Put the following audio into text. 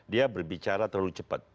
dia berbicara terlalu cepat